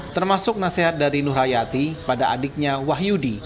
termasuk nasihat dari nur hayati pada adiknya wahyudi